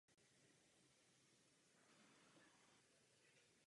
Je to velmi udržitelné, pro mou práci však naprosto nepraktické.